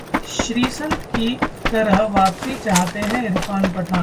श्रीसंत की तरह वापसी चाहते हैं इरफान पठान